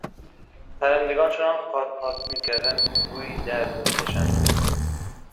پرندگان چنان قات قات میکردند که گویی درد میکشیدند.